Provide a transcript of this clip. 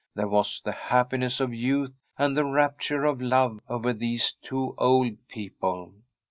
There was the happiness of youth and the rapture of love over these two old people.